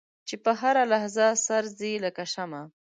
چې په هره لحظه سر ځي لکه شمع.